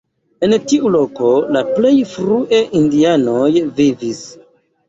En tiu loko la plej frue indianoj vivis.